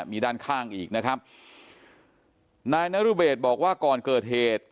มีด้านข้างอีกนะครับนายนรุเบศบอกว่าก่อนเกิดเหตุ